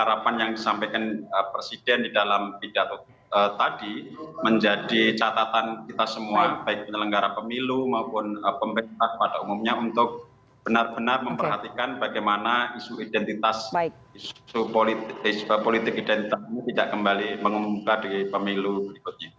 harapan yang disampaikan presiden di dalam pidato tadi menjadi catatan kita semua baik penyelenggara pemilu maupun pemerintah pada umumnya untuk benar benar memperhatikan bagaimana isu identitas isu politik identitas ini tidak kembali mengemuka di pemilu berikutnya